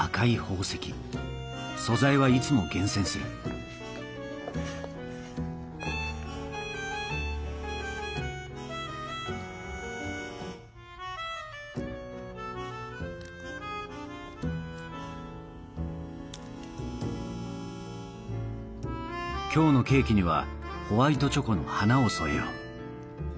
素材はいつも厳選する今日のケーキにはホワイトチョコの花を添えよう。